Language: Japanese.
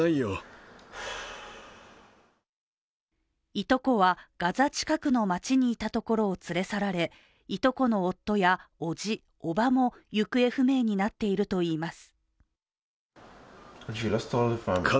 いとこは、ガザ近くの町にいたところを連れ去られいとこの夫やおじ、おばも行方不明になっているといいます。